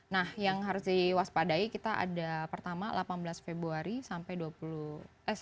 nah yang harus diwaspadai kita ada pertama delapan belas februari dua ribu dua puluh sampai sembilan maret dua ribu dua puluh